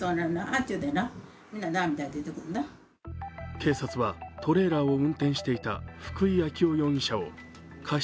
警察はトレーラーを運転していた福井暁生容疑者を過失